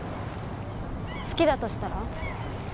好きだとしたら？